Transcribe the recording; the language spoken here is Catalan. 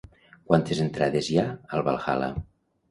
Quantes entrades hi ha al Valhalla?